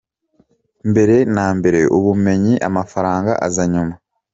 Mbere na mbere ubumenyi, amafaranga aza nyuma.